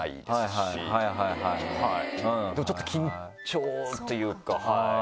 ちょっと緊張というか。